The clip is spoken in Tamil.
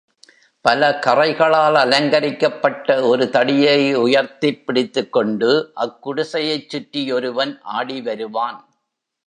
பலகறைகளால் அலங்கரிக்கப்பட்ட ஒரு தடியை உயர்த்திப் பிடித்துக்கொண்டு, அக் குடிசையைச் சுற்றி ஒருவன் ஆடி வருவான்.